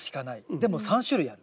でも３種類ある。